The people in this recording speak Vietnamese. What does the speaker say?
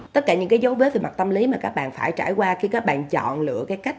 tất cả những cái dấu vết về mặt tâm lý mà các bạn phải trải qua khi các bạn chọn lựa cái cách